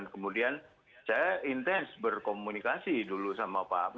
kemudian saya intens berkomunikasi dulu sama pak